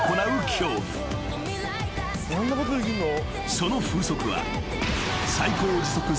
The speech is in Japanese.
［その風速は］